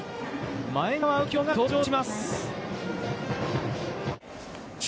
前川右京が登場します。